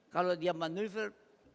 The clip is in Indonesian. kalau dia maneuver